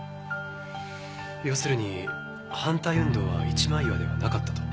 要するに反対運動は一枚岩ではなかったと。